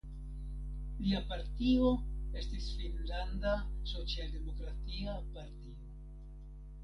Lia partio estis Finnlanda Socialdemokratia Partio.